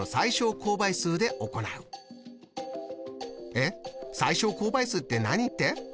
えっ「最小公倍数って何」って？